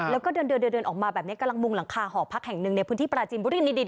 แล้วก็เดินออกมาแบบนี้กำลังมุงหลังคาหอพัฒน์หนึ่งในพื้นที่ปราจิม